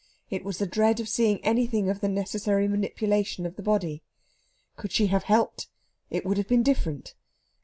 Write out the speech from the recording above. It was the dread of seeing anything of the necessary manipulation of the body. Could she have helped, it would have been different.